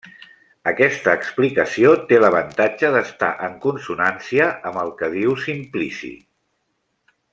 Aquesta explicació té l'avantatge d'estar en consonància amb el que diu Simplici.